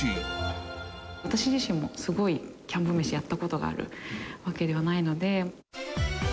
私自身も、すごいキャンプ飯、やったことがあるわけではないので。